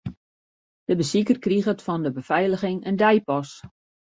De besiker kriget fan de befeiliging in deipas.